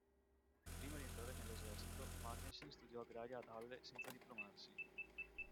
Prima di entrare nell'esercito, Mackensen studiò agraria ad Halle senza diplomarsi.